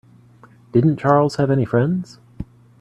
Didn't Charles have any friends?